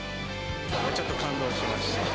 ちょっと感動しました。